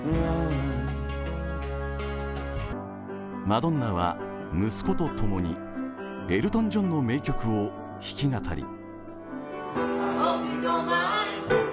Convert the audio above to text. マドンナは息子と共にエルトン・ジョンの名曲を弾き語り。